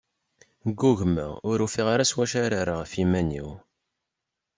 Ggugmeɣ, ur ufiɣ ara s wacu ara rreɣ ɣef yiman-iw.